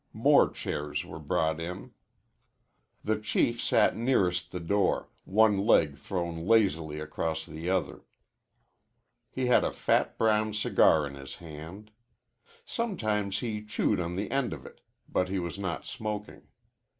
More chairs were brought in. The Chief sat nearest the door, one leg thrown lazily across the other. He had a fat brown cigar in his hand. Sometimes he chewed on the end of it, but he was not smoking.